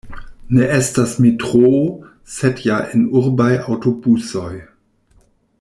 Ne estas metroo, sed ja enurbaj aŭtobusoj.